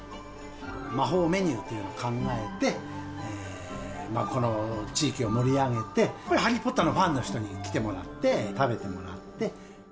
魔法メニューというのを考えて、この地域を盛り上げて、これ、ハリー・ポッターのファンの方に来てもらって、食べてもらって。